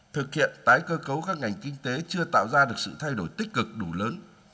thực hiện tái cơ cấu các ngành kinh tế chưa tạo ra được sự thay đổi tích cực đủ lớn